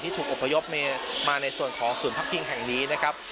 ถูกอบพยพมาในส่วนของศูนย์พักพิงแห่งนี้นะครับ